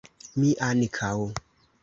Mi ankaŭ!